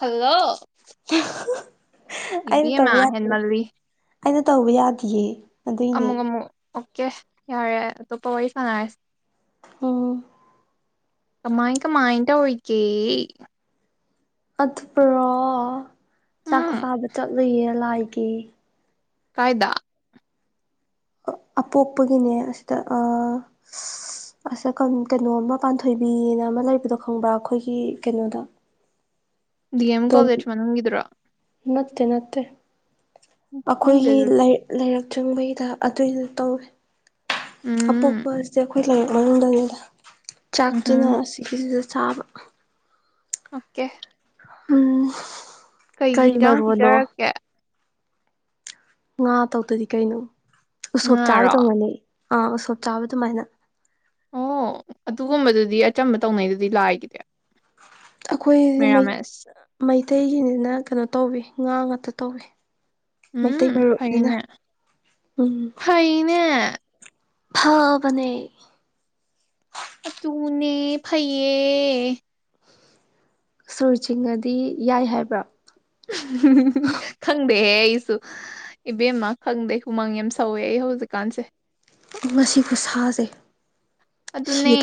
Hello ꯑꯩꯅ ꯏꯕꯦꯝꯃ ꯇꯧꯕ ꯌꯥꯗꯦ ꯍꯦꯟꯃꯜꯂꯤ ꯑꯩꯅ ꯇꯧꯕ ꯌꯥꯗꯌꯦ ꯑꯃꯨꯛ ꯑꯃꯨꯛ ꯑꯣꯀꯦ ꯌꯥꯔꯦ ꯑꯇꯣꯞꯄ ꯋꯥꯔꯤ ꯁꯥꯟꯅꯔꯁꯤꯦ ꯎꯝ ꯀꯃ ꯏꯀ ꯃꯥ ꯏꯟꯇ ꯍꯏꯀꯦ ꯑꯗꯨꯄ꯭ꯔꯣ ꯆꯥꯛ ꯎꯝ ꯆꯥꯕ ꯆꯠꯂꯨꯌꯦ ꯂꯥꯏꯒꯤ ꯀꯥꯏꯗ ꯑꯄꯣꯛꯄꯒꯤꯅꯦ ꯑꯁꯤꯗ ꯑꯁ ꯀꯩꯅꯣ ꯑꯃ ꯄꯥꯟꯊꯣꯏꯕꯤꯅ ꯑꯃ ꯂꯩꯕꯗꯣ ꯈꯪꯕ꯭ꯔꯥ ꯑꯩꯈꯣꯏꯒꯤ ꯀꯩꯅꯣꯗ ꯗꯤ ꯑꯦꯝ ꯗꯣꯝ ꯀꯣꯂꯦꯖ ꯃꯅꯨꯡꯈꯤꯗ꯭ꯔꯥ ꯅꯠꯇꯦ ꯅꯠꯇꯦ ꯈꯪꯗꯦ ꯑꯩꯈꯣꯏꯒꯤꯛ ꯑꯗꯨꯗꯤ ꯂꯩꯔꯛ ꯆꯨꯝꯕꯩꯗ ꯑꯗꯨꯏꯗ ꯇꯧꯋꯦ ꯎꯝ ꯑꯄꯣꯛꯄ ꯑꯁꯤꯦ ꯑꯩꯈꯣꯏ ꯂꯥꯏꯔꯤꯛ ꯃꯅꯨꯡꯗꯅꯤꯗ ꯎꯝꯍꯨꯝ ꯆꯥꯛꯇꯨꯅ ꯁꯤꯒꯤꯁꯤꯗ ꯆꯥꯕ ꯑꯣꯀꯦ ꯎꯝ ꯀꯩ ꯀꯔꯤ ꯍꯤꯟꯖꯥꯡ ꯃꯔꯔꯑꯣꯅꯣ ꯄꯤꯖꯔꯛꯀꯦ ꯉꯥ ꯇꯧꯗꯗꯤ ꯀꯩꯅꯣ ꯎꯁꯣꯞ ꯉꯥꯔꯣ ꯆꯥꯕꯗꯧ ꯃꯥꯜꯜꯂꯤ ꯑꯥ ꯎꯁꯣꯞ ꯆꯥꯕ ꯑꯗꯨꯃꯥꯏꯅ ꯑꯣ ꯑꯗꯨꯒꯨꯝꯕꯗꯨꯗꯤ ꯑꯆꯝꯕ ꯇꯧꯅꯩꯗꯨꯗꯤ ꯂꯥꯏꯈꯤꯗ ꯑꯩꯈꯣꯏꯗꯤ ꯃꯩꯇꯩꯒꯤꯅꯤꯅ ꯀꯩꯅꯣ ꯇꯧꯋꯤ ꯉꯥ ꯉꯥꯛꯇ ꯇꯧꯏ ꯃꯩꯇꯩ ꯎꯝ ꯃꯔꯨꯞꯅꯤꯅ ꯐꯩꯅꯦ ꯎꯝ ꯐꯩꯅꯦ ꯐꯥꯎꯕꯅꯦ ꯐ ꯇꯨꯡꯅꯦ ꯐꯩꯏ ꯁꯨꯔ ꯆꯤꯡꯉꯗꯤ ꯌꯥꯏ ꯍꯥꯏꯕ꯭ꯔꯥ ꯈꯪꯗꯦꯍꯦ ꯑꯩꯁꯨ ꯏꯕꯦꯝꯃ ꯈꯪꯗꯦ ꯍꯨꯃꯥꯡ ꯌꯥꯝ ꯁꯧꯋꯦ ꯑꯩ ꯗꯨꯀꯥꯟꯁꯦ ꯃꯁꯤꯕꯨ ꯁꯥꯖꯩ ꯑꯗꯨꯅꯦ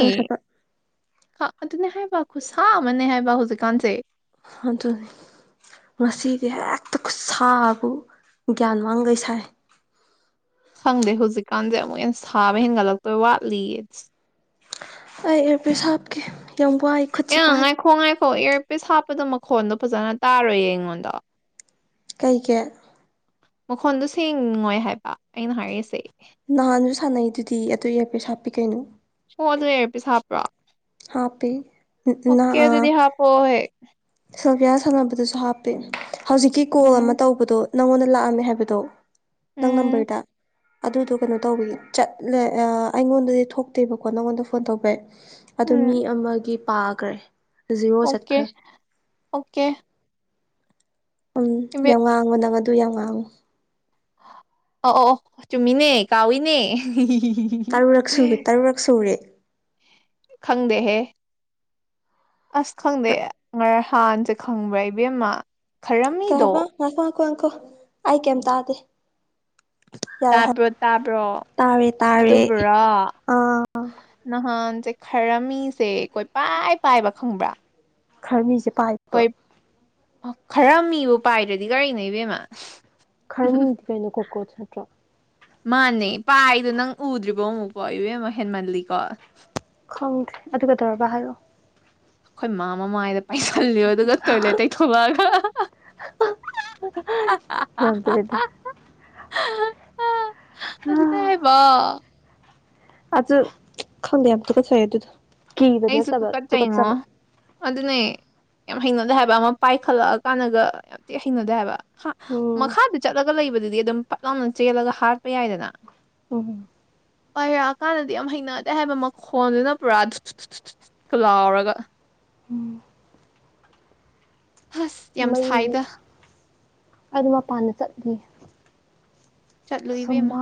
ꯑꯗꯨꯅꯦ ꯍꯥꯏꯕ ꯈꯨꯠꯁꯥ ꯑꯃꯅꯦ ꯍꯥꯏꯕ ꯍꯧꯖꯤꯛꯀꯥꯟꯁꯦ ꯑꯗꯨ ꯑꯗꯨ ꯉꯁꯤꯗꯤ ꯍꯦꯛꯇ ꯈꯨꯠ ꯁꯥꯥꯕꯨ ꯒ꯭ꯌꯥꯟ ꯃꯥꯡꯈꯩ ꯁꯥꯏ ꯈꯪꯗꯦ ꯍꯧꯖꯤꯛꯀꯥꯟꯁꯦ ꯑꯃꯨꯛ ꯍꯩꯅ ꯁꯥꯕ ꯍꯦꯟꯒꯠꯂꯛꯇꯣꯏ ꯋꯥꯠꯂꯤ ꯏꯠꯁ ꯑꯩ ꯄ ꯁꯥꯞꯀꯦ ꯑ ꯉꯥꯏꯈꯣ ꯉꯥꯏꯈꯣ ꯏꯌꯥꯔꯄꯤꯤꯁ ꯍꯥꯞꯄꯗꯣ ꯃꯈꯣꯟꯗꯣ ꯐꯖꯅ ꯇꯥꯔꯣꯏꯌꯦ ꯑꯩꯉꯣꯟꯗ ꯀꯩꯀꯦ ꯃꯈꯣꯟꯗꯣ ꯁꯦꯡꯉꯣꯏ ꯍꯥꯏꯕ ꯑꯩꯅ ꯍꯥꯏꯔꯤꯁꯦ ꯅꯍꯥꯟꯁꯨ ꯁꯥꯟꯅꯩꯗꯨꯗꯤ ꯑꯗꯨ ꯑꯄꯁ ꯍꯥꯞꯄꯤ ꯀꯩꯅꯣ ꯑꯣ ꯑꯗꯨ ꯂꯩꯔ ꯄꯤꯁ ꯍꯥꯞꯄ꯭ꯔꯣ ꯍꯥꯞꯄꯤ ꯑꯣꯀꯦ ꯑꯗꯨꯗꯤ ꯍꯥꯞꯄꯑꯣꯍꯦ ꯁꯜꯐꯤꯌꯥ ꯁꯥꯟꯅꯕꯗꯨꯁꯨ ꯍꯥꯞꯄꯦ ꯍꯧꯖꯤꯛꯀꯤ ꯀꯣꯜ ꯑꯃ ꯎꯝ ꯇꯧꯕꯗꯣ ꯅꯪꯉꯣꯟꯗ ꯂꯥꯛꯑꯝꯃꯦ ꯍꯥꯏꯕꯗꯣ ꯇꯪꯝ ꯎꯝ ꯄꯏꯇꯥ ꯑꯗꯨꯗꯣ ꯀꯩꯅꯣ ꯇꯧꯕꯒꯤ ꯆꯠꯂꯦ ꯑꯩꯉꯣꯟꯗꯗꯤ ꯊꯣꯛꯇꯦꯕꯀꯣ ꯅꯪꯉꯣꯟꯗ ꯐꯣꯟ ꯇꯧꯕ ꯑꯗꯨ ꯎꯝ ꯃꯤ ꯑꯃꯒꯤ ꯄꯥꯈ꯭ꯔꯦ ꯖꯤꯔꯣ ꯑꯣꯀꯦ ꯆꯠꯈ꯭ꯔꯦ ꯑꯣꯀꯦ ꯎꯝ ꯏꯕꯦ ꯌꯥꯝ ꯉꯥꯡꯉꯨ ꯅꯪ ꯑꯗꯨ ꯌꯥꯝ ꯉꯥꯡꯉꯨ ꯑꯣ ꯑꯣ ꯆꯨꯝꯃꯤꯅꯦ ꯀꯥꯎꯏꯅꯦ ꯇꯔꯨꯔꯛ ꯁꯨꯔꯦ ꯇꯔꯨꯔꯛ ꯁꯨꯔꯦ ꯈꯪꯗ ꯍꯦ ꯑꯁ ꯈꯪꯗꯦ ꯉꯔ ꯍꯥꯟꯁꯦ ꯈꯪꯕ꯭ꯔꯥ ꯏꯕꯦꯝꯃ ꯀꯩ ꯍꯥꯏꯕ ꯈꯔꯝꯃꯤꯗꯣ ꯉꯈ ꯉꯀꯣꯪꯈꯣ ꯑꯩ ꯀꯩꯝ ꯇꯥꯗꯦ ꯌꯥꯔꯦ ꯍꯥꯏ ꯇꯥꯕ꯭ꯔꯣ ꯇꯥꯕ꯭ꯔꯣ ꯇꯥꯔꯦ ꯇꯥꯔꯦ ꯑꯗꯨꯕꯨꯔꯣ ꯑꯥ ꯅꯍꯥꯟ ꯁꯦ ꯈꯔ ꯃꯤꯁꯦ ꯑꯩꯈꯣꯏ ꯄꯥꯏ ꯄꯥꯏꯕ ꯈꯪꯕ꯭ꯔꯥ ꯈꯔ ꯃꯤꯁꯦ ꯄꯥꯏꯄ ꯈꯔ ꯃꯤꯕꯨ ꯄꯥꯏꯗ꯭ꯔꯗꯤ ꯀꯒꯥꯔꯤ ꯅ ꯏꯕꯦꯝꯃ ꯈꯔꯃꯤꯗꯤ ꯀꯩꯅꯣ ꯀꯣꯀ꯭ꯔꯣꯁ ꯅꯠꯇ꯭ꯔꯣ ꯃꯥꯅꯦ ꯄꯥꯏꯗꯣ ꯅꯪ ꯎꯗ꯭ꯔꯤꯕꯣ ꯑꯃꯨꯛꯀꯣ ꯏꯕꯦꯝ ꯑꯃ ꯍꯦꯟꯃꯜꯂꯤꯀꯣ ꯈꯪꯗ꯭ꯔꯦ ꯑꯗꯨꯒ ꯀꯩꯗꯧꯔꯕ ꯍꯥꯏꯔꯛꯑꯣ ꯑꯩꯈꯣꯏ ꯃꯥ ꯃꯃꯥꯏꯗ ꯄꯩꯁꯜꯂꯤꯣ ꯑꯗꯨꯒ ꯇꯣꯏꯂꯦꯠ ꯇꯩ ꯊꯣꯛꯣꯂꯛꯑꯒ ꯅꯣꯡꯗ꯭ꯔꯦꯗ ꯑꯗꯨ ꯇꯥꯏ ꯋꯥ ꯑꯖ ꯈꯪꯗꯦ ꯌꯥꯝꯝ ꯇ ꯀꯁ ꯑꯗꯨꯗ ꯑꯩꯁꯨꯛꯇ ꯀꯠꯥꯏꯉꯣ ꯑꯗꯨꯗꯅꯦ ꯌꯥꯝ ꯍꯩꯅꯗꯦ ꯍꯥꯏꯕ ꯑꯃ ꯄꯥꯏꯈꯠꯂꯛꯑ ꯀꯥꯟꯗꯒ ꯌꯥꯝ ꯊꯤ ꯍꯩꯅꯗꯦ ꯍꯥꯏꯕ ꯎꯝ ꯃꯈꯥꯗ ꯆꯠꯂꯒ ꯂꯩꯕꯗꯨꯗꯤ ꯑꯗꯨꯝ ꯄꯠ ꯂꯥꯎꯅ ꯆꯦꯜꯂꯒ ꯍꯥꯠꯄ ꯌꯥꯏꯗꯅ ꯑ ꯄꯥꯏꯔꯛꯑꯀꯥꯟꯗꯗꯤ ꯌꯥꯝ ꯍꯩꯅꯗꯦ ꯍꯥꯏꯕ ꯃꯈꯣꯟꯗꯨꯅ ꯄꯨꯔꯥ ꯀ ꯂꯥꯎꯔꯒ ꯎꯝ ꯑꯁ ꯌꯥꯝ ꯃꯩꯁꯦ ꯁꯥꯏꯗ ꯑꯗꯨ ꯃꯄꯥꯟꯗ ꯆꯠꯂꯤ ꯆꯠꯂꯨꯕꯦꯝꯃ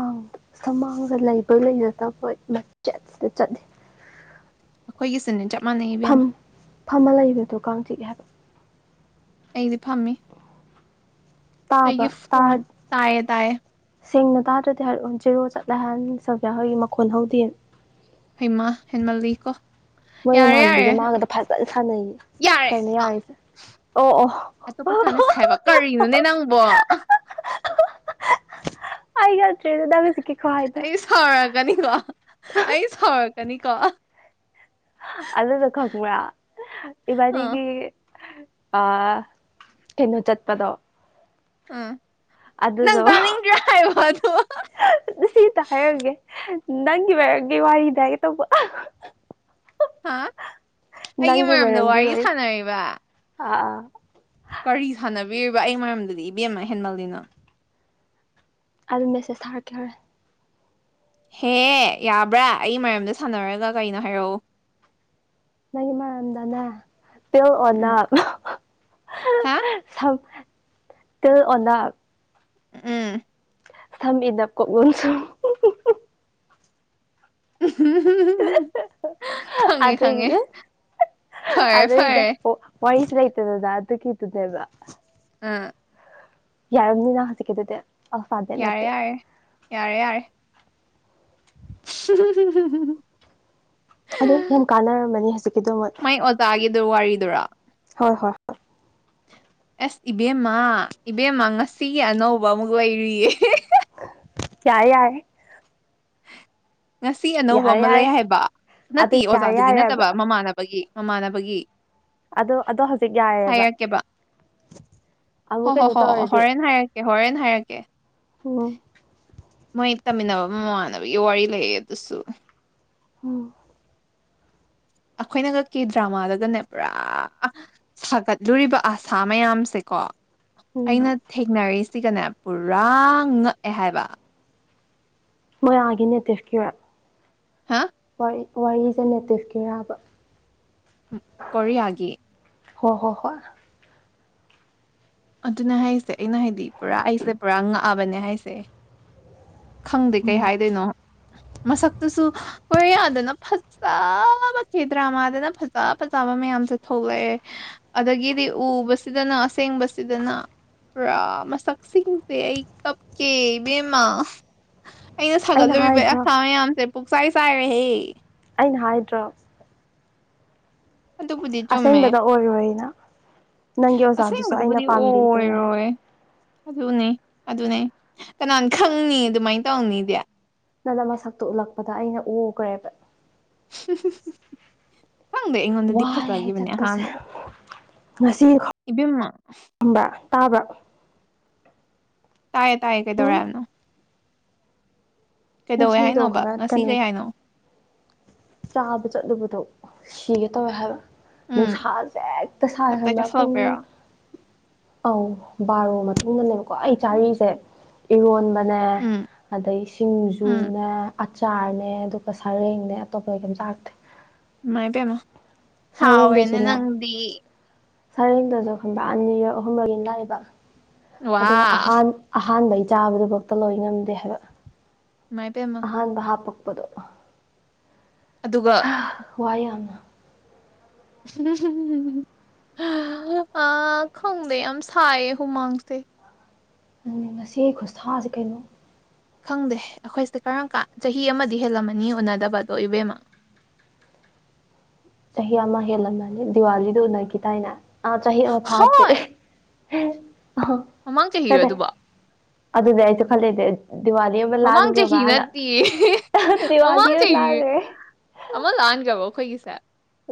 ꯁꯃꯥꯡꯗ ꯂꯩꯕ ꯂꯩꯅꯗꯕ ꯃꯆꯦꯠꯁꯤꯗ ꯆꯠꯂꯤ ꯑꯩꯈꯣꯏꯒꯤ ꯁꯤꯟꯅꯤ ꯆ ꯐꯝ ꯐꯝꯃ ꯂꯩꯕꯗꯣ ꯀꯥꯡ ꯆꯤꯛꯑꯦ ꯍꯥꯏꯕ ꯑꯩꯗꯤ ꯐꯝꯃꯤ ꯇꯥꯕ꯭ꯔꯥ ꯑꯩꯒꯤ ꯐꯣꯟ ꯇꯥꯔ ꯇꯥꯌꯦ ꯇꯌꯦ ꯁꯦꯡꯅ ꯇꯥꯗ꯭ꯔꯗꯤ ꯍꯥꯏꯔꯛꯑꯣ ꯦꯔꯣ ꯆꯠꯂꯦꯍꯟ ꯁꯧꯒꯦ ꯍꯒꯤ ꯃꯈꯣꯟ ꯍꯧꯗꯦ ꯍꯩꯃ ꯍꯦꯟꯃꯜꯂꯤꯀꯣ ꯃꯣꯏ ꯌꯥꯔꯦ ꯌꯥꯔꯦ ꯃꯃꯥꯟꯕꯤꯒꯦ ꯃꯥꯥꯡꯒꯗ ꯐꯖ ꯌꯥꯔꯦ ꯀꯅꯤ ꯑ ꯑꯔꯤꯁ ꯑꯣ ꯑꯣ ꯑꯇꯣꯞꯄ ꯁꯥꯟꯅꯁ ꯍꯥꯏꯕ ꯀꯔꯤꯅꯣꯅꯦ ꯅꯪꯕꯣ ꯑꯩꯒ ꯑꯩ ꯁꯥꯎꯔꯛꯀꯅꯤꯀꯣ ꯑꯩ ꯁꯥꯎꯔꯛꯀꯅꯤꯀꯣ ꯑꯗꯨꯗꯗ ꯀꯃꯂ ꯏꯕꯗꯤꯒꯤ ꯑ ꯀꯩꯅꯣ ꯆꯠꯄꯗꯣ ꯑꯥ ꯅꯪ ꯑꯗꯨꯗꯣ ꯇꯥꯅꯤꯡꯗ꯭ꯔꯦ ꯍꯥꯏꯕꯗꯣ ꯅꯪꯤꯕꯦ ꯋꯥꯏꯗꯒꯦ ꯇꯄ ꯍꯥ ꯑꯩꯒꯤ ꯅꯪꯒꯤ ꯃꯔꯝꯗ ꯃꯔꯝꯗꯤ ꯋꯥꯔꯤ ꯑꯣꯏ ꯁꯥꯟꯅꯔꯤꯕ ꯑ ꯑꯥ ꯀꯔꯤ ꯁꯥꯟꯅꯕꯤꯔꯤꯕ ꯑꯩ ꯃꯔꯝꯗꯨꯗꯤ ꯏꯕꯦꯝꯅꯍꯦꯟꯃꯜꯂꯤꯅꯣ ꯑꯗꯨꯝ ꯃꯦꯁꯦꯁ ꯁꯥꯔꯛꯀꯦꯧꯔꯦ ꯍꯦꯍ ꯌꯥꯕ꯭ꯔꯥ ꯑꯩ ꯃꯔꯝꯗ ꯁꯥꯟꯅꯔꯒ ꯀꯩꯅꯣ ꯍꯥꯏꯔꯛꯎ ꯅꯒꯤ ꯃꯥꯝꯗꯅꯦ ꯇꯦꯦꯜꯋꯥꯅꯥ ꯎꯝ ꯍꯥ ꯇ ꯑꯣꯅ ꯎꯝ ꯊꯝ ꯏꯗ ꯀꯣꯒꯟꯁꯨꯨꯝ ꯍ ꯑꯗ ꯏ ꯐꯔꯦ ꯑꯗ ꯐꯔꯦ ꯏꯗꯣꯏꯁ ꯆꯗꯗ ꯑꯗꯨ ꯀ ꯏ ꯑꯗꯨꯗꯦꯕ ꯍ ꯌꯥꯔꯝꯅꯤ ꯅ ꯍꯖꯤꯤꯗꯗꯤ ꯌꯥꯔꯦ ꯌꯥꯔꯦ ꯌꯥꯔꯦ ꯌꯥꯔꯦ [unintelligible] ꯑꯗꯩ ꯌꯥꯝ ꯀꯥꯟꯅꯔꯃꯅꯤ ꯍꯧꯖꯤꯛꯀꯤꯗꯃꯛ ꯑꯗꯨ ꯋꯥꯔꯤꯗꯨꯔꯥ ꯍ ꯍ ꯍ ꯑꯦꯁ ꯏꯕꯦꯝꯃ ꯏꯕꯦꯝꯃ ꯉꯁꯤꯒꯤ ꯑꯅꯧꯕ ꯑꯃꯨꯛ ꯂꯩꯔꯤꯨꯔꯤꯌꯦ ꯀꯌꯥ ꯌꯥꯏ ꯉꯁꯤ ꯑꯅꯧꯕ ꯑꯃ ꯌꯥꯔꯦ ꯂꯩ ꯍꯥꯏꯕ ꯑꯗꯨ ꯅꯠꯇꯦ ꯌꯥꯔꯦ ꯑꯣꯖꯥꯗꯨꯒꯤ ꯌꯥꯔꯦꯕ ꯅꯠꯇꯕ ꯃꯃꯥꯟꯅꯕꯒꯤ ꯃꯃꯥꯟꯅꯕꯒꯤ ꯑꯣ ꯑꯗꯣ ꯍꯧꯖꯤꯛ ꯌꯥꯏꯑꯕ ꯍꯥꯏꯔꯛꯀꯦꯕ ꯍꯣ ꯍꯣ ꯍꯣ ꯍ ꯍꯣꯔꯦꯟ ꯍꯥꯏꯔꯛꯀꯦ ꯍꯣꯔꯦꯟꯦꯟ ꯍꯥꯏꯔꯛꯀꯦ ꯑꯣ ꯃꯣꯏ ꯇꯝꯃꯤꯟꯅꯕ ꯃꯃꯥꯟꯅꯕꯒꯤ ꯋꯥꯔꯤ ꯂꯩꯌꯦ ꯑꯗꯨꯁꯨ ꯎ ꯑꯩꯈꯣꯏꯅ ꯀꯛꯀꯤ ꯗ꯭ꯔꯃꯥꯗꯒꯅꯦ ꯄꯨꯔꯥ ꯁꯥꯒꯠꯂꯨꯔꯤꯕ ꯑꯁꯥ ꯃꯌꯥꯝꯁꯦꯀꯣ ꯎꯝ ꯑꯩꯅ ꯊꯦꯡꯅꯔꯤꯁꯤꯒꯅꯦ ꯄꯨꯔꯥ ꯉꯛꯑꯦ ꯍꯥꯏꯕ ꯃꯣꯏꯔꯥꯒꯤ ꯅꯦꯇꯦꯁꯀꯤꯌꯔ ꯍꯥ ꯋꯥꯔꯤꯁꯦ ꯅꯦꯇꯤꯐꯀꯤꯔꯕ ꯎ ꯀꯔꯤꯌꯥꯒꯤ ꯍꯣꯏ ꯍꯣ ꯍꯣꯏ ꯑꯗꯨꯅ ꯍꯥꯏꯁꯦ ꯑꯩꯅ ꯍꯥꯏꯗꯤ ꯄꯨꯔꯥ ꯑꯩꯁꯦ ꯄꯨꯔꯥ ꯉꯛꯑꯕꯅꯦ ꯍꯥꯏꯁꯦ ꯈꯪꯗꯦ ꯀꯩ ꯎꯝ ꯍꯥꯏꯗꯣꯏꯅꯣ ꯃꯁꯛꯇꯨꯁꯨ ꯀꯣꯏꯌꯥꯗꯅ ꯐꯖ ꯐ ꯆꯦꯗ꯭ꯔꯥ ꯃꯥꯗꯅ ꯐꯖ ꯐꯖ ꯆꯥꯕ ꯃꯌꯥꯝꯁꯦ ꯊꯣꯛꯂꯛꯑꯦ ꯑꯗꯒꯤꯗꯤ ꯎꯕꯁꯤꯗꯅ ꯑꯁꯦꯡꯕꯁꯤꯗꯅ ꯄꯨ꯭ꯔꯥ ꯃꯁꯛꯁꯤꯡꯁꯦ ꯑꯩ ꯀꯞ ꯀꯦꯃ ꯑꯩꯅ ꯁꯥꯒꯠꯂꯨꯔꯤꯕ ꯑꯁꯥ ꯃꯌꯥꯝꯁꯦ ꯄꯨꯛꯆꯥꯏ ꯆꯥꯏꯔꯦꯍꯦ ꯑꯩꯅ ꯍꯥꯏꯗ꯭ꯔꯣ ꯑꯗꯨꯕꯨꯗꯤ ꯆꯨꯝꯃꯦ ꯑꯁꯦꯡꯕꯗ ꯑꯣꯏꯔꯣꯏꯅ ꯅꯪꯒꯤ ꯑꯣꯖꯥꯗꯨꯁꯨꯣ ꯑꯩꯅ ꯑꯁꯦꯡꯕꯗꯨꯕꯨꯗꯤ ꯄꯥꯝꯕꯤꯗꯦꯅ ꯍꯥꯏ ꯑꯣꯏꯔꯣꯏ ꯑꯗꯨꯅꯦ ꯑꯗꯨꯅꯦ ꯀꯅꯥꯅ ꯈꯪꯅꯤ ꯑꯗꯨꯃꯥꯏꯅ ꯇꯧꯅꯤꯗꯤ ꯅꯅ ꯃꯁꯛꯇꯨ ꯎꯠꯂꯛꯄꯗ ꯑꯩꯅ ꯎꯈ꯭ꯔꯦꯕ ꯈꯪꯗꯦ ꯑꯩꯉꯣꯟꯗꯗꯤ ꯐꯖꯒꯤꯈꯤꯕꯅꯦ ꯑꯍꯥꯟꯕꯗ ꯉꯁꯤꯕ ꯏꯕꯦꯝꯃ ꯇꯥꯕ ꯇꯥꯏꯌꯦ ꯇꯥꯏꯌꯦ ꯀꯩꯗꯧꯔꯦ ꯎꯝ ꯌꯥꯝꯅꯣ ꯉꯁꯤ ꯍꯥꯏꯅꯣꯕ ꯇꯣꯈꯕꯥ ꯉꯁꯤ ꯀꯩꯅꯣ ꯀꯩ ꯍꯥꯏꯅꯣ ꯆꯥꯕ ꯆꯠꯂꯨꯕꯗꯣ ꯁꯤꯒꯦ ꯇꯧꯋꯦ ꯍꯥꯏꯕ ꯎꯝ ꯅꯨꯡꯁꯥꯁꯦ ꯍꯦꯛꯇ ꯁꯥꯔꯦ ꯇꯞ ꯇꯥꯏ ꯈꯟꯕ ꯄꯨꯡ ꯆꯥꯁꯤꯜꯂꯛꯄꯩꯔꯣ ꯑꯥꯎ ꯥꯔꯣ ꯃꯇꯨꯡꯗꯅꯦꯕꯀꯣ ꯑꯩ ꯆꯥꯔꯤꯁꯦ ꯏꯔꯣꯟꯕ ꯅꯦ ꯎꯝ ꯑꯗꯩ ꯎꯝ ꯁꯤꯡꯖꯨꯅꯦ ꯑꯆꯥꯔꯅꯦ ꯑꯗꯨꯒ ꯁꯔꯦꯡꯅꯦ ꯑꯇꯣꯞꯄ ꯀꯩꯝꯇꯥꯥꯛꯇꯦ ꯃꯥꯏ ꯄꯦꯃ ꯍꯥꯎꯑꯣꯣꯏꯅꯦ ꯁꯔꯦꯡꯗꯨꯁꯨꯅꯦ ꯅꯪꯗꯤ ꯁꯔꯦꯡꯗꯁꯨ ꯈꯪꯕ꯭ꯔ ꯑꯅꯤꯔ ꯑꯍꯨꯝꯂꯒꯤꯅ ꯂꯥꯛꯏꯕ ꯑꯗꯨꯒ ꯋꯥ ꯑꯍ ꯑꯍꯥꯟꯕꯩ ꯆꯥꯕꯗꯨꯐꯛꯇ ꯂꯣꯏ ꯉꯝꯗꯦ ꯍꯥꯏꯕ ꯏꯃꯥꯏ ꯄꯦꯝꯃ ꯑꯍꯥꯟꯕ ꯍꯥꯞꯄꯛꯄꯗꯣ ꯑꯗꯨꯒ ꯍ꯭ꯋꯥꯏ ꯑꯃ [unintelligible] ꯑꯥ ꯈꯪꯗꯦ ꯌꯥꯝ ꯁꯥꯏꯌꯦ ꯍꯨꯃꯥꯡꯁꯦ ꯑꯗꯨꯅꯤ ꯉꯁꯤꯒꯤ ꯈꯨꯁꯥꯁꯦ ꯀꯩꯅꯣ ꯈꯪꯗꯦ ꯑꯩꯈꯣꯏꯁꯦ ꯀꯔꯝ ꯀꯥꯟ ꯆꯍꯤ ꯑꯃꯗꯤ ꯍꯦꯜꯂꯝꯃꯅꯤ ꯎꯅꯗꯕꯗꯣ ꯏꯕꯦꯝꯃ [inaudible] ꯆꯍꯤ ꯑꯃ ꯍꯦꯜꯂꯝꯃꯅꯤ ꯗꯤꯋꯥꯂꯤꯗꯨ ꯎꯅꯈꯤ ꯇꯏꯅ ꯑꯥ ꯆꯍꯤ ꯑꯃ ꯍꯣꯏ ꯐꯥꯗ‌ꯔꯤ ꯃꯃꯥꯡ ꯆꯍꯤꯔ ꯑꯗꯨꯕ‌‌ꯣ ꯑꯗꯨ ꯌꯥ ꯍꯥꯏꯁꯨꯦ ꯈꯜꯂꯤꯁ‌ꯦ ꯗꯤꯋꯥꯂꯤ ꯑꯃꯥ ꯃꯃꯥꯡ ꯆꯍꯤ ꯂꯥꯟꯒꯔꯕ ꯅꯠꯇꯤꯌꯦ ꯗꯤꯋꯥꯂꯤ ꯃꯃꯥꯡ ꯆꯍꯤ ꯂꯥꯟꯒꯔ‌ꯦ ꯑꯃ ꯂꯥꯟꯒꯦꯕ ꯑꯩꯈꯣꯏꯒꯤꯁꯦ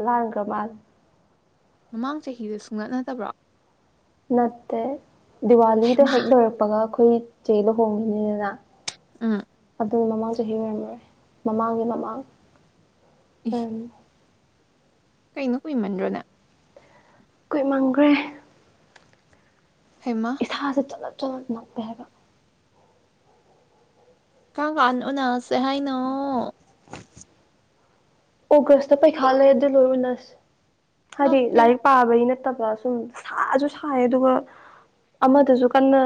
ꯂꯥꯡꯒ ꯃꯥꯜ ꯃꯃꯥꯡ ꯆꯍꯤꯗ ꯁꯨꯡꯒꯠꯅꯗꯕ꯭ꯔꯣ ꯅꯠꯇꯦ ꯗꯤꯋꯥꯂꯤꯗ ꯍꯩꯃꯥ ꯍꯦꯛ ꯂꯣꯏꯔꯛꯄꯒ ꯑꯩꯈꯣꯏ ꯆꯦ ꯂꯨ ꯍꯣꯡꯉꯤꯅꯤꯗꯅ ꯑꯥ ꯑꯗꯨꯒꯤ ꯃꯃꯥꯡ ꯆꯍꯤ ꯑꯣꯏꯔꯝꯃꯔꯦ ꯃꯃꯥꯡꯒꯤ ꯃꯃꯥꯡ ꯏ ꯑꯣꯏꯔꯝ ꯀꯩꯅꯣ ꯀꯨꯏꯃꯟꯗ꯭ꯔꯣꯅ ꯀꯣꯏ ꯃꯝꯈ꯭ꯔꯦ ꯍꯩꯃꯥ ꯏꯁꯥꯁꯦ ꯆꯠꯂꯞ ꯆꯠꯂꯞ ꯅꯞꯄꯦ ꯍꯥꯏꯕꯥ ꯀꯥꯝ ꯀꯥꯟ ꯎꯅꯁꯦ ꯍꯥꯏꯅꯣ ꯑꯣꯒꯁꯇ ꯄꯩꯈꯥ ꯂꯩ ꯑꯗꯨ ꯂꯣꯏꯔꯂꯁꯤ ꯍꯥꯏꯗꯤ ꯂꯥꯏꯔꯤꯛ ꯄꯥꯕꯩ ꯅꯠꯇ ꯐꯠꯇꯕ꯭ꯔꯥ ꯁꯨꯝ ꯁꯥꯁꯨ ꯁꯥꯏ ꯑꯗꯨꯒ ꯑꯃꯗꯨꯁꯨ ꯀꯟꯅ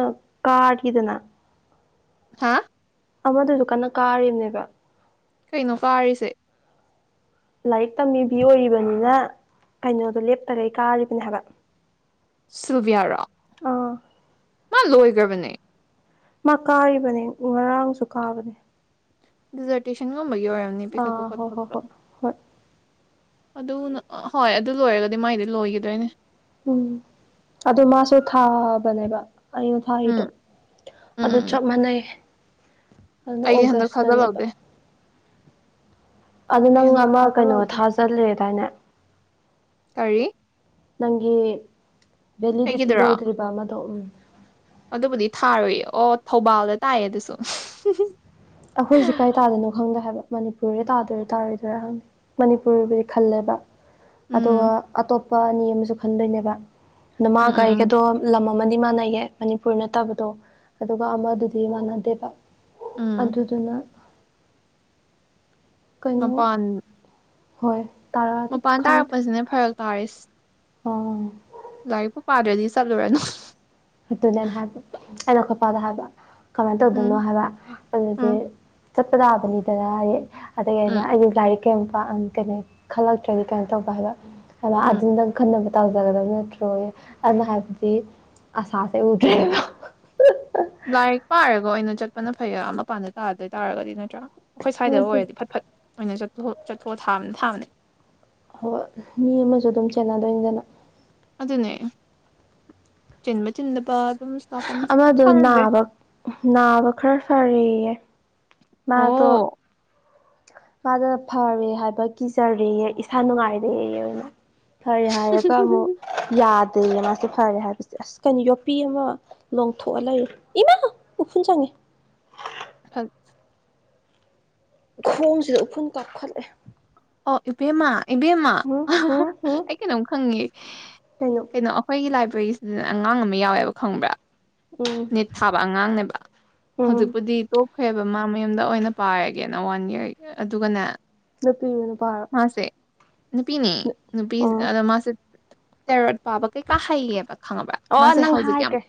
ꯀꯥꯈꯤꯗꯅ ꯍꯥꯥ ꯑꯃꯗꯨꯁꯨ ꯀꯟꯅ ꯀꯥꯔꯤꯕꯅꯦꯕ ꯀꯩꯅꯣ ꯀꯥꯔꯤꯁꯦ ꯂꯥꯏꯔꯤꯛ ꯇꯝꯃꯤꯕꯤ ꯑꯣꯏꯔꯤꯕꯅꯤꯅ ꯀꯩꯅꯣꯗꯣ ꯂꯦꯞꯇꯔꯩ ꯀꯥꯔꯤꯕꯅꯦ ꯍꯥꯏꯕ ꯁꯨꯚꯌꯔꯛ ꯑꯥ ꯃꯥ ꯂꯣꯏꯈ꯭ꯔꯕꯅꯦ ꯃꯥ ꯀꯥꯔꯤꯕꯅꯦ ꯉꯔꯥꯡꯁꯨ ꯀꯥꯕꯅꯦ ꯗꯤꯖꯔꯇꯦꯁꯟꯒꯨꯝꯕꯒꯤ ꯑꯣꯏꯔꯝꯅꯤ ꯄꯤꯈꯠꯄ ꯑꯥ ꯈꯣꯠꯇ ꯍꯣꯏ ꯍꯣꯏ ꯍꯣꯏ ꯈꯣꯠꯇꯄ ꯍꯣꯏ ꯑꯗꯨ ꯍꯣꯏ ꯑꯗꯨ ꯂꯣꯏꯔꯒꯗꯤ ꯃꯥꯏꯗꯤ ꯂꯣꯏꯈꯤꯗꯣꯏꯅꯦ ꯎꯝ ꯑꯗꯨ ꯃꯥꯁꯨ ꯊꯥꯕꯅꯦꯕ ꯑꯗꯨꯗ ꯊꯥꯔꯤꯗꯣ ꯎꯝ ꯎꯝ ꯑꯗ ꯎꯝ ꯎꯝ. ꯆꯞ ꯃꯥꯟꯅꯩꯌꯦ ꯑꯗꯨꯅ ꯑꯩꯒꯤ ꯍꯟꯗꯛ ꯑꯣꯒꯁꯇꯅꯦꯕ ꯊꯥꯖꯤꯜꯍꯧꯗꯦ ꯑꯗꯨ ꯑꯩ ꯅꯪ ꯍꯟꯗꯛ ꯑꯃ ꯀꯩꯅꯣ ꯊꯥꯖꯜꯂꯦꯗꯥꯏꯅꯦ ꯇꯔꯤ ꯅꯪꯒꯤ ꯚꯦꯂꯤꯗꯤꯇꯤ ꯂꯣꯏꯗ꯭ꯔꯤꯕ ꯑꯃꯗꯣ ꯎꯝ ꯑꯗꯨꯕꯨꯗꯤ ꯊꯥꯔꯨꯏꯌꯦ ꯑꯣ ꯊꯧꯕꯥꯜꯗ ꯇꯥꯏꯌꯦ ꯑꯗꯨꯁꯨ ꯑꯩꯈꯣꯏꯁꯦ ꯀꯥꯏ ꯇꯥꯗꯅꯣ ꯈꯪꯗꯦ ꯍꯥꯏꯕ ꯃꯅꯤꯄꯨꯔꯦ ꯇꯥꯗꯣꯏꯔ ꯇꯥꯔꯣꯏꯗꯣꯏꯔꯥꯪ ꯃꯅꯤꯄꯨꯔꯕꯨꯗꯤ ꯈꯜꯂꯦꯕ ꯑꯗꯨꯒ ꯎꯝ ꯑꯇꯣꯞꯄ ꯑꯅꯤ ꯑꯃꯁꯨ ꯈꯟꯗꯣꯏꯅꯦꯕ ꯑꯗ ꯃꯥ ꯎꯝ ꯎꯝ ꯎꯝ ꯒꯥꯔꯤꯒꯗꯣ ꯂꯝ ꯑꯃꯅꯤ ꯃꯥꯟꯅꯩꯌꯦ ꯃꯅꯤꯄꯨꯔ ꯅꯠꯇꯕꯗꯣ ꯑꯗꯨꯒ ꯑꯃꯗꯨꯗꯤ ꯃꯥꯟꯅꯗꯦꯕ ꯎꯝ ꯑꯗꯨꯗꯨꯅ ꯀꯩꯅꯣ ꯃꯄꯥꯟ ꯍꯣꯏ ꯇꯥꯔꯛꯑꯗꯤ ꯃꯄꯥꯟ ꯈꯪꯗꯦ ꯇꯥꯔꯛꯄꯁꯤꯅꯦ ꯐꯔꯛ ꯇꯥꯔꯁ ꯑꯥ ꯂꯥꯏꯔꯤꯛꯄꯨ ꯄꯥꯗ꯭ꯔꯗꯤ ꯆꯠꯂꯨꯔꯅꯨ [unintelligible] ꯀꯃꯥꯏꯅ ꯎꯝ ꯇꯧꯗꯣꯏꯅꯣ ꯍꯥꯏꯕ ꯑꯗꯨꯁꯦ ꯎꯝ ꯆꯠꯄ ꯇꯥꯕꯅꯤꯗꯅ ꯑꯗꯒꯤ ꯑꯩꯅ ꯎꯝ ꯑꯩꯒꯤ ꯂꯥꯏꯔꯤꯛ ꯀꯩꯝꯀ ꯀꯩꯅ ꯈꯜꯂꯛꯇ꯭ꯔꯗꯤ ꯀꯩꯅꯣ ꯇꯧꯕ ꯍꯥꯏꯕ ꯎꯝ ꯑꯗꯨꯅ ꯅꯪ ꯈꯟꯅꯕ ꯇꯧꯖꯒꯗꯕ ꯅꯠꯇ꯭ꯔꯣ ꯑꯗꯨꯅ ꯍꯥꯏꯕꯗꯤ ꯑꯁꯥꯁꯦ ꯎꯗ ꯂꯥꯏꯔꯤꯛ ꯄꯥꯔꯒ ꯑꯣꯏꯅ ꯆꯠꯄꯅ ꯐꯩ ꯃꯄꯥꯟꯗ ꯇꯥꯗꯣꯏ ꯇꯥꯔꯒꯗꯤ ꯅꯠꯇ꯭ꯔꯥ ꯑꯩꯈꯣꯏ ꯁ꯭ꯋꯥꯏꯗ ꯍꯣꯏ ꯑꯗꯨ ꯑꯣꯏꯔꯗꯤ ꯐꯠ ꯐꯠ ꯑꯣꯏꯅ ꯆꯠꯊꯣꯛ ꯊꯥꯕꯅ ꯊꯥꯕꯅꯦ ꯍꯣꯏ ꯃꯤ ꯑꯃꯁꯨ ꯑꯗꯨꯝ ꯆꯦꯟꯅꯗꯣꯏꯅꯤꯗꯅ ꯑꯗꯨꯅꯦ ꯆꯤꯟꯕ ꯆꯤꯟꯗꯕ ꯑꯗꯨꯝ ꯂꯥꯛꯀꯅꯤ ꯑꯃꯗꯣ ꯈꯪꯗꯦ ꯅꯥꯕ ꯅꯥꯕ ꯈꯔ ꯐꯔꯦꯌꯦ ꯃꯥꯗ ꯑꯣ ꯃꯥꯗ ꯐꯔꯦ ꯍꯥꯏꯕ ꯀꯤꯖꯔꯦ ꯏꯁꯥ ꯅꯨꯡꯉꯥꯏꯔꯦ ꯑꯣꯏꯅ ꯐꯔꯦ ꯍꯥꯏꯔꯒ ꯑꯃꯨꯛ ꯌꯥ ꯑ ꯃꯥꯁꯤꯦ ꯐꯔꯦ ꯍꯥꯏꯕꯁꯦ ꯑꯁ ꯀꯩꯅꯣ ꯌꯣꯠꯄꯤ ꯑꯃ ꯂꯣꯡꯊꯣꯛꯑ ꯂꯩꯔꯦ ꯏꯃꯥ ꯎꯐꯨꯟ ꯆꯪꯉꯦ ꯍ ꯈꯣꯡꯁꯤꯗ ꯎꯐꯨꯜ ꯀꯥꯞꯈꯠꯂꯦ ꯑꯣ ꯏꯕꯦꯝꯃ ꯏꯕꯦꯝꯃ ꯍꯨꯝ ꯍꯨꯝ ꯍꯨꯝ ꯑꯩ ꯀꯩꯅꯣꯝ ꯈꯪꯉꯦ ꯀꯩꯅꯣ ꯑꯩꯈꯣꯏꯒꯤ ꯂꯥꯏꯕ꯭ꯔꯦꯔꯤꯁꯤꯗꯅ ꯑꯉꯥꯡ ꯑꯃ ꯌꯥꯎꯋꯦꯕ ꯈꯪꯕ꯭ꯔꯥ ꯎꯝ ꯅꯤꯠ ꯊꯥꯕ ꯑꯉꯥꯡꯅꯦꯕ ꯎꯝ ꯍꯧꯖꯤꯛꯄꯨꯗꯤ ꯍꯣꯏꯦꯕ ꯃꯥ ꯃꯌꯨꯝꯗ ꯑꯣꯏꯅ ꯄꯥꯏꯔꯒꯦꯅ ꯋꯥꯟ ꯏꯌꯥꯔ ꯑꯗꯨꯒꯅꯦ ꯅꯨꯄꯤꯔꯣ ꯅꯨꯄꯥꯔꯣ ꯃꯥꯁꯦ ꯅꯨꯄꯤꯅꯤ ꯅꯨꯄꯤ ꯑꯣ ꯑꯗ ꯃꯥꯁꯦ ꯇꯦꯔꯣꯠ ꯄꯥꯕ ꯀꯩꯀꯥ ꯍꯩꯌꯦꯕ ꯈꯪꯉꯕ꯭ꯔ ꯑꯣ ꯃꯥꯁꯦ ꯅꯪ ꯍꯧꯖꯤꯛ ꯑꯃꯨꯛ ꯍꯥꯏꯈ꯭ꯔꯦ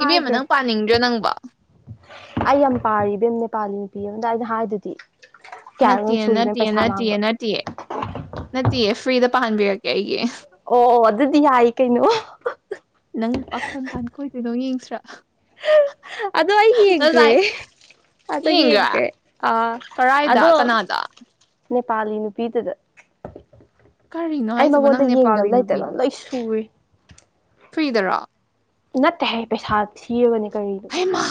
ꯍꯥꯏꯈ꯭ꯔꯦ ꯑꯩ ꯌꯥꯝ ꯄꯥꯕꯦꯝ ꯅꯦꯄꯥꯂꯤ ꯑꯗꯗꯥ ꯑꯩꯅ ꯍꯥꯏꯗꯨꯗꯤ ꯅꯠꯇꯦ ꯀꯌꯥꯅꯣꯝ ꯁꯨꯔꯤꯕꯦꯝ ꯅꯠꯇꯦ ꯄꯩꯁꯥ ꯅꯠꯇꯦꯌꯦ ꯃꯥꯡꯕ ꯅꯠꯇꯦꯌꯦ ꯅꯠꯇꯦꯌꯦ ꯐ꯭ꯔꯤꯗ ꯄꯥꯍꯟꯕꯤꯔꯛꯀꯦ ꯑꯩꯒꯤ ꯑꯣ ꯑꯣ ꯑꯗꯨꯗꯤ ꯌꯥꯏ ꯀꯩꯅꯣ ꯅꯪ ꯄꯥꯈꯪ ꯀꯥꯟꯈꯣꯏꯗꯣꯏꯅꯣ ꯌꯦꯡꯁꯤ꯭ꯔꯥ ꯑꯗꯣ ꯑꯩꯏꯒꯤ ꯌꯦꯡꯒꯦ ꯑꯗ ꯌꯦꯡꯒ꯭ꯔꯥ ꯍꯦꯒ꯭ꯔꯦ ꯑ ꯀꯔꯥꯏꯗ ꯑꯗꯣ ꯀꯅꯥꯗ ꯅꯦꯄꯥꯂꯤ ꯅꯨꯄꯤꯗꯨꯗ ꯀꯔꯤꯅꯣ ꯑꯩ ꯍꯥꯏꯁꯤꯕꯨ ꯅꯪ ꯃꯉꯣꯟꯗ ꯅꯦꯄꯥꯂꯤ ꯌꯦꯡꯗꯕ ꯂꯩꯇꯕ ꯌꯥꯝ ꯂꯣꯏ ꯁꯨꯏ ꯐꯔꯤꯗꯔꯥ ꯅꯠꯇꯦ ꯍꯥꯏ ꯄꯩꯁꯥ ꯊꯤꯔꯕꯅꯦ ꯀꯔꯤꯅꯣ ꯍꯩꯃꯥ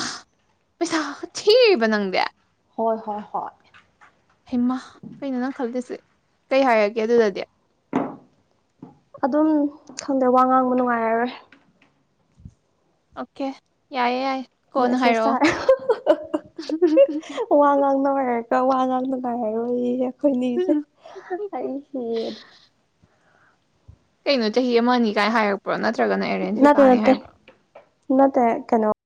ꯄꯩꯁꯥ ꯊꯤ ꯅꯪꯗꯦ ꯍꯣꯏ ꯍꯣꯏ ꯍꯣꯏ ꯍꯩꯃꯥ ꯀꯩꯅꯣ ꯅꯪ ꯈꯜꯜꯂꯤꯁꯦ ꯀꯩ ꯍꯥꯏꯔꯒꯦ ꯑꯗꯨꯗꯗꯤ ꯑꯗꯨꯝ ꯈꯪꯗꯦ ꯋꯥ ꯉꯥꯡꯕ ꯅꯨꯡꯉꯥꯏꯔꯔꯣꯏ ꯑꯣꯀꯦ ꯌꯥꯏꯑꯦ ꯌꯥꯏ ꯀꯣꯟꯅ ꯃꯦꯁꯦꯁ ꯍꯥꯏꯔꯛꯑꯣ ꯇꯥꯔꯦ ꯋꯥ ꯉꯥꯡꯅ ꯍꯥꯏꯔꯀꯦ ꯀ ꯋꯥ ꯉꯕ ꯉꯥꯏꯔꯔꯣꯏ ꯑꯩꯈꯣꯏꯅꯤꯁꯦ ꯑꯩꯁꯤꯗ ꯀꯩꯅꯣ ꯆꯍꯤ ꯑꯃ ꯑꯅꯤ ꯀꯥꯏꯅ ꯍꯥꯏꯔꯛꯄ꯭ꯔꯣ ꯅꯠꯇ꯭ꯔꯒꯅ ꯑꯦꯔꯦꯟꯖꯁꯨ ꯇꯥꯅꯤ ꯍꯥꯏꯕ꯭ꯔꯣ ꯅꯇ ꯀꯩꯅꯣ